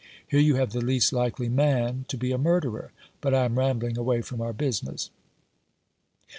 Here you have the least likely man to be a murderer. But I am rambling away from our business."